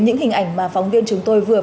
những hình ảnh mà phóng viên chúng tôi vừa